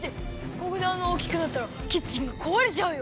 ここであんなにおおきくなったらキッチンがこわれちゃうよ！